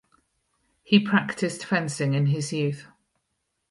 He practised fencing in his youth.